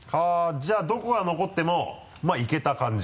じゃあどこが残ってもいけた感じ？